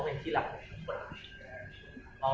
เป็นที่รักของทุกคน